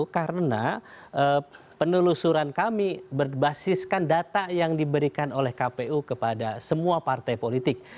karena penelusuran kami berbasiskan data yang diberikan oleh kpu kepada semua partai politik